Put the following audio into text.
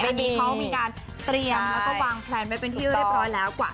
เขามีการเตรียมแล้วก็วางแพลนไว้เป็นที่เรียบร้อยแล้วกว่า